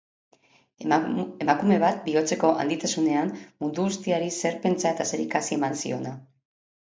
Emakume bat bihotzeko handitasunean, mundu guztiari zer pentsa eta zer ikasi eman ziona.